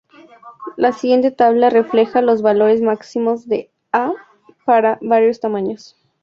La siguiente tabla refleja los valores máximos de "a" para varios tamaños.